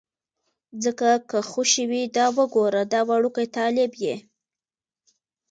ځکه که خوشې وي، دا وګوره دا وړوکی طالب یې.